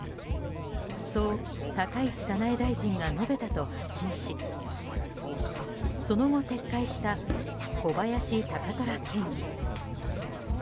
そう高市早苗大臣が述べたと発信しその後、撤回した小林貴虎県議。